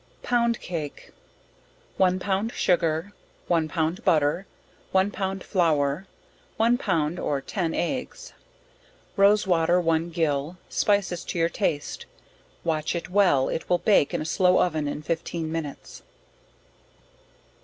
Pound Cake. One pound sugar, one pound butter, one pound flour, one pound or ten eggs, rose water one gill, spices to your taste; watch it well, it will bake in a slow oven in 15 minutes.